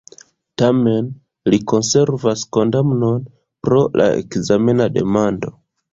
Tamen, li konservas kondamnon pro la ekzamena demando.